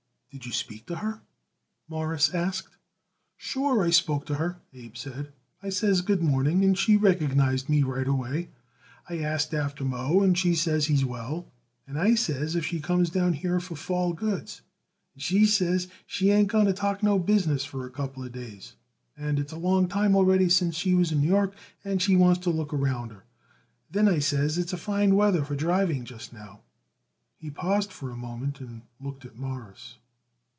"Did you speak to her?" Morris asked. "Sure I spoke to her," Abe said. "I says good morning, and she recognized me right away. I asked after Moe, and she says he's well; and I says if she comes down here for fall goods; and she says she ain't going to talk no business for a couple of days, as it's a long time already since she was in New York and she wants to look around her. Then I says it's a fine weather for driving just now." He paused for a moment and looked at Morris.